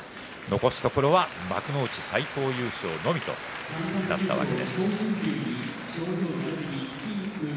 残すところは幕内最高優勝のみとなったわけです。